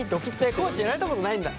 あっ地やられたことないんだ。